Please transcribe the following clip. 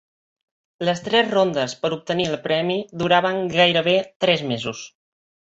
Les tres rondes per obtenir el premi duraven gairebé tres mesos.